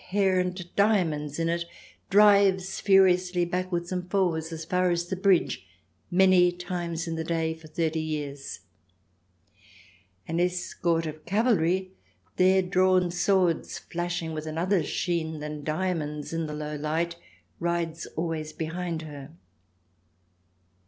xix hair and diamonds in it, drives furiously backwards and forwards as far as the bridge, many times in the day, for thirty years. An escort of cavalry, their drawn swords flashing with another sheen than diamonds in the low light, rides always behind her.